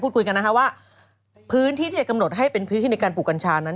คุยกันนะคะว่าพื้นที่ที่จะกำหนดให้เป็นพื้นที่ในการปลูกกัญชานั้น